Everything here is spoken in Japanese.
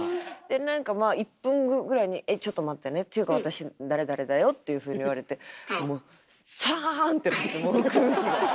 で何かまあ１分後ぐらいに「えっちょっと待ってねというか私誰々だよ」っていうふうに言われてもうサーンってなってもう空気が。